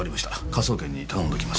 科捜研に頼んでおきます。